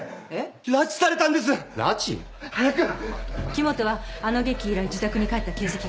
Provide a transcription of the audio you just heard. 木元はあの劇以来自宅に帰った形跡がない。